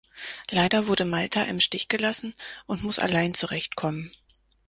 Leider wurde Malta im Stich gelassen und muss allein zurechtkommen.